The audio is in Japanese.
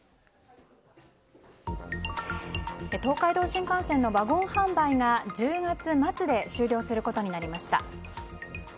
東海道新幹線のワゴン販売が１０月末で終了することになりました。